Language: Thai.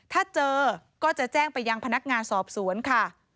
ถ้าเจอก็จะแจ้งไปยังพนักงานสอบสวนค่ะ